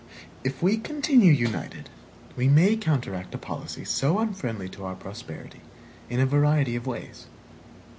If we continue united, we may counteract a policy so unfriendly to our prosperity in a variety of ways.